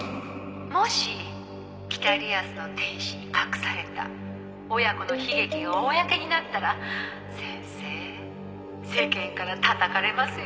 「もし『北リアスの天使』に隠された親子の悲劇が公になったら先生世間からたたかれますよ？」